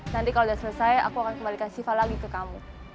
nanti kalau udah selesai aku akan kembalikan siva lagi ke kamu